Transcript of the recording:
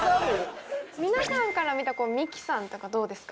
皆さんから見たミキさんとかどうですか？